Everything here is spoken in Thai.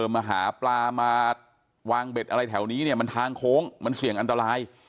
มาหาปลามาวางเบ็ดอะไรแถวนี้เนี่ยมันทางโค้งมันเสี่ยงอันตราย